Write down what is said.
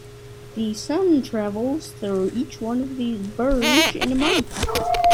The sun travels through each one of these Burj in one month.